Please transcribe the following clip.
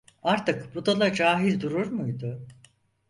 Artık budala cahil durur muydu?